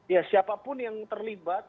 ya siapapun yang terlibat